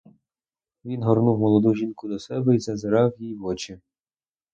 Він горнув молоду жінку до себе й зазирав їй в очі.